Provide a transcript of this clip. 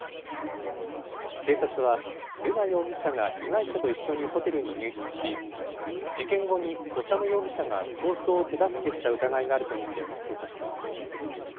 警察は瑠奈容疑者が被害者と一緒にホテルに入室し、事件後に修容疑者が逃走を手助けした疑いがあると見て、捜査しています。